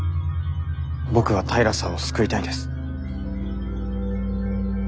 僕は平さんを救いたいです。